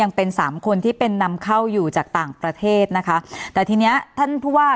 เป็นสามคนที่เป็นนำเข้าอยู่จากต่างประเทศนะคะแต่ทีเนี้ยท่านผู้ว่า